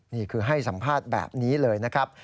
นี่คือให้สัมภาษณ์แบบนี้เลยนะครับ